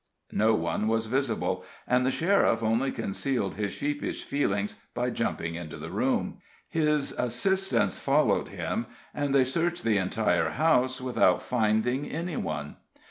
No one was visible, and the sheriff only concealed his sheepish feelings by jumping into the room. His assistants followed him, and they searched the entire house without finding any one.